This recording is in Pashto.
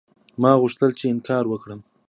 ما غوښتل چې انکار وکړم.